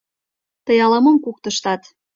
Тый ала-мом куктыштат.